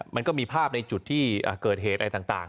มันก็มีภาพในจุดที่เกิดเหตุอะไรต่าง